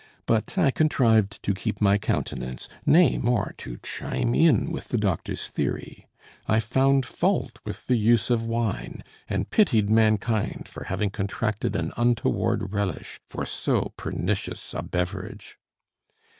But I contrived to keep my countenance; nay, more, to chime in with the doctor's theory. I found fault with the use of wine, and pitied mankind for having contracted an untoward relish for so pernicious a beverage.